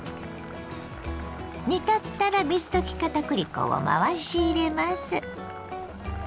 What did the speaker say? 煮立ったら水溶き片栗粉を回し入れます。